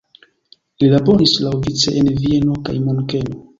Li laboris laŭvice en Vieno kaj Munkeno.